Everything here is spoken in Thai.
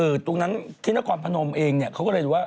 เออตรงนั้นคลินกรพนมเองเขาก็เลยดูว่า